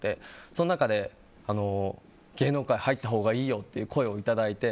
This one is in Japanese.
その中で芸能界入ったほうがいいよという声をいただいて。